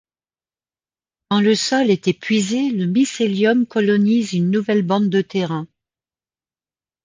Quand le sol est épuisé, le mycélium colonise une nouvelle bande de terrain.